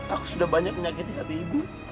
aku sudah banyak menyakiti hati ibu